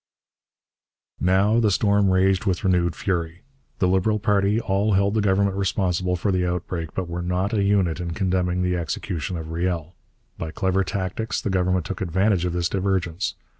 Now the storm raged with renewed fury. The Liberal party all held the Government responsible for the outbreak, but were not a unit in condemning the execution of Riel. By clever tactics the Government took advantage of this divergence.